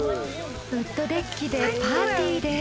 ウッドデッキでパーティーです。